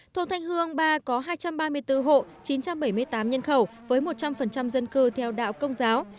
thôn thanh hương ba có hai trăm ba mươi bốn hộ chín trăm bảy mươi tám nhân khẩu với một trăm linh dân cư theo đạo công giáo